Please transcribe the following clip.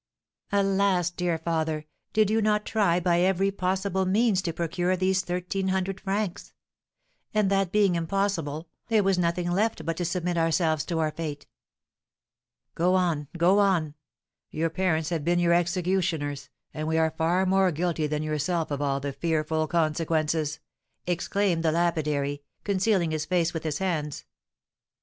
'" "Alas, dear father, did you not try by every possible means to procure these thirteen hundred francs? And, that being impossible, there was nothing left but to submit ourselves to our fate." "Go on, go on; your parents have been your executioners, and we are far more guilty than yourself of all the fearful consequences!" exclaimed the lapidary, concealing his face with his hands.